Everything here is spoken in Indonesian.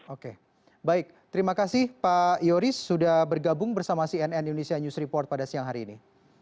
oke baik terima kasih pak yoris sudah bergabung bersama cnn indonesia news report pada siang hari ini